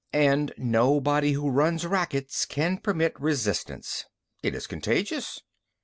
And nobody who runs rackets can permit resistance. It is contagious.